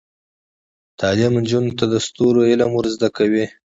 تعلیم نجونو ته د ستورو علم ور زده کوي.